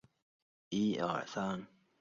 监生出身。